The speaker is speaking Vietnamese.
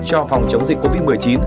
cho phòng chống dịch covid một mươi chín